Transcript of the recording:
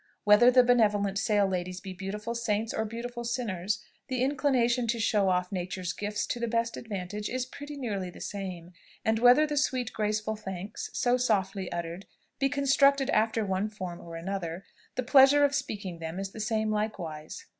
Whether the benevolent sale ladies be beautiful saints or beautiful sinners, the inclination to show off Nature's gifts to the best advantage is pretty nearly the same; and whether the sweet graceful thanks, so softly uttered, be constructed after one form or another, the pleasure of speaking them is the same likewise.